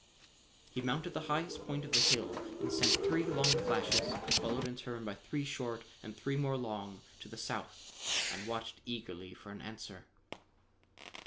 He mounted the highest point of the hill and sent three long flashes, followed in turn by three short and three more long to the south and watched eagerly for an answer.